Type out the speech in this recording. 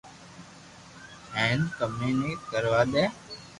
ھين ڪمي بي ڪروا دي